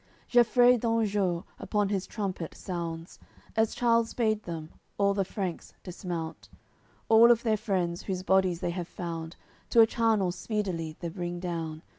AOI. CCXII Gefreid d'Anjou upon his trumpet sounds; As Charles bade them, all the Franks dismount. All of their friends, whose bodies they have found To a charnel speedily the bring down.